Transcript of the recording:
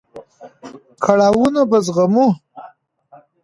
کړاوونه به زغمو.